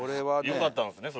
よかったんですね